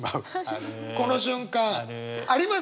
この瞬間あります？